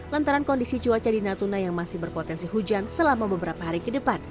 lantaran kondisi cuaca di natuna yang masih berpotensi hujan selama beberapa hari ke depan